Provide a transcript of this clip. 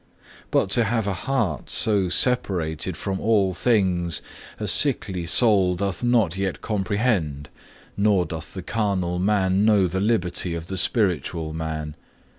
But to have a heart so separated from all things, a sickly soul doth not yet comprehend, nor doth the carnal man know the liberty of the spiritual man.